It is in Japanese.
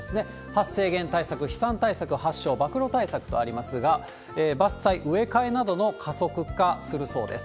発生源対策、飛散対策、発症・曝露対策と思いますが、伐採、植え替えなどの加速化するそうです。